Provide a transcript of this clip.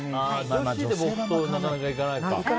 女子で木刀なかなかいかないか。